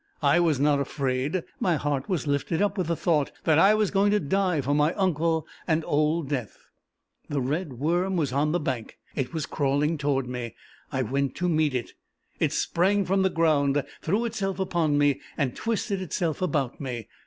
I was not afraid. My heart was lifted up with the thought that I was going to die for my uncle and old Death. The red worm was on the bank. It was crawling toward me. I went to meet it. It sprang from the ground, threw itself upon me, and twisted itself about me.